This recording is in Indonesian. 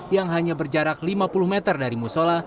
yang hanya berjarak lima puluh meter dari musola